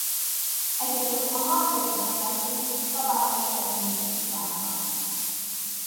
Egyedül a Margarét rendelkezik szabályos keringési iránnyal.